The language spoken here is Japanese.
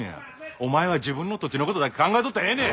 お前は自分の土地の事だけ考えとったらええねん。